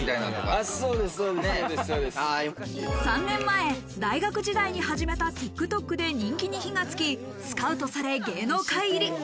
３年前、大学時代に始めたＴｉｋＴｏｋで人気に火が付き、スカウトされ芸能界入り。